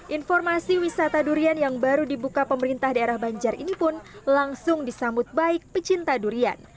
informasi wisata durian yang baru dibuka pemerintah daerah banjar ini pun langsung disambut baik pecinta durian